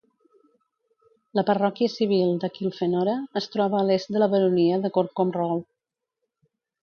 La parròquia civil de Kilfenora es troba a l'est de la baronia de Corcomroe.